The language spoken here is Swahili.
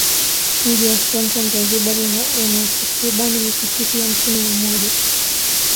Mji wa stone town Zanzibar una takribani misikiti hamsini na moja